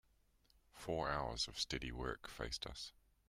Four hours of steady work faced us.